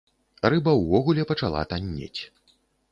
Рыба ўвогуле пачала таннець.